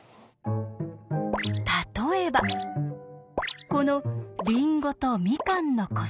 例えばこのりんごとみかんの個数。